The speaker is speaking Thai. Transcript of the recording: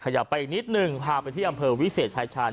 ขยับไปอีกนิดหนึ่งพาไปที่อำเภอวิเศษชายชาญ